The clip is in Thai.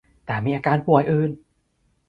แต่มีอาการป่วยอื่น